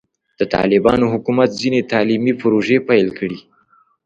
د طالبانو حکومت ځینې تعلیمي پروژې پیل کړي.